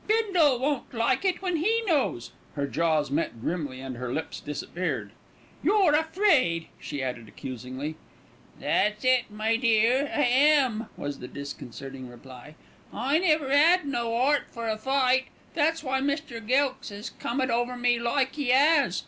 Bindle won't like it when he knows," her jaws met grimly and her lips disappeared. "You're afraid," she added accusingly. "That's it, my dear, I am," was the disconcerting reply. "I never 'ad no 'eart for a fight, that's why Mr. Gilkes 'as come it over me like 'e 'as.